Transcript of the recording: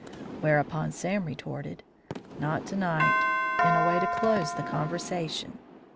Whereupon Sam retorted, "Not to night," in a way to close the conversation.